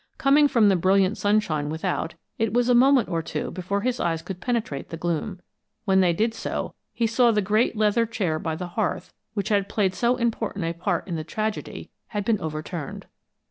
Coming from the brilliant sunshine without, it was a moment or two before his eyes could penetrate the gloom. When they did so, he saw the great leather chair by the hearth, which had played so important a part in the tragedy, had been overturned.